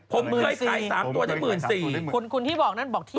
คุณที่บอกนั่นบอกที่มา